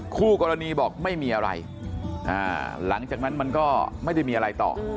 คู่กรณีบอกไม่มีอะไรหลังจากนั้นมันก็ไม่ได้มีอะไรต่อ